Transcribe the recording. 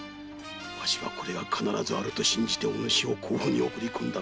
わしはこれが必ずあると信じてお主を甲府に送り込んだのだ。